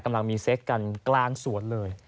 กำลังมีเซ็กกันกลางสวนเลย